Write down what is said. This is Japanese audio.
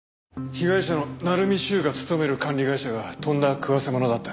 被害者の鳴海修が勤める管理会社がとんだ食わせものだった。